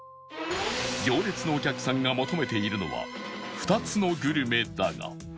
行列のお客さんが求めているのは２つのグルメだが